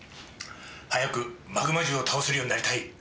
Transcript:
早くマグマ獣を倒せるようになりたい。